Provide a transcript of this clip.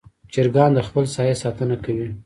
چرګان د خپل ساحې ساتنه کوي.